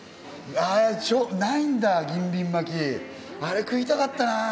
ないんだ銀鱗巻あれ食いたかったな。